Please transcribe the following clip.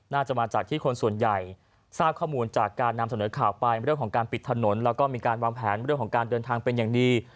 น่าจะมาจากที่คนส่วนใหญ่ทราบข้อมูลจากการนำเสนอข่าวไปเรื่องของการปิดถนนแล้วก็มีการวางแผนเรื่องของการเดินทางเป็นอย่างดี